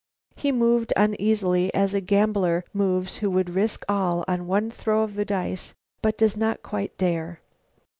He moved uneasily, as a gambler moves who would risk all on one throw of the dice but does not quite dare.